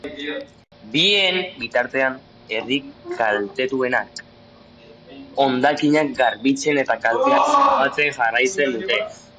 Bien bitartean, herri kaltetuenek hondakinak garbitzen eta kalteak zenbatzen jarraitzen dute.